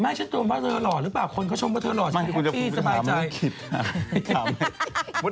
ไม่ฉันชมว่าเธอหล่อหรือเปล่าคนก็ชมว่าเธอหล่อใช่ไหมครับ